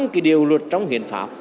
cái điều luật trong hiện pháp